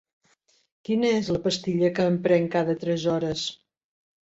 quina és la pastilla que em prenc cada tres hores?